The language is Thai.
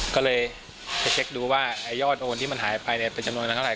ก็เลยไปเช็คดูว่ายอดโอนที่มันหายไปในประจำนวนทั้งเท่าไหร่